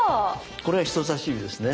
これは人さし指ですね？